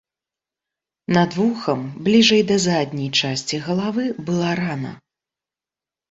Над вухам, бліжэй да задняй часці галавы, была рана.